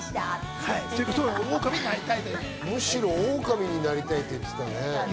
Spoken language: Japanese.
むしろオオカミになりたいって言ってたね。